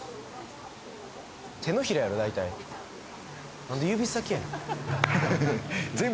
手のひらやろ大体なんで指先やねんははは